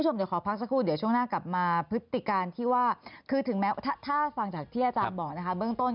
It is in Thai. เราก็แค่กำกับอยู่เฉย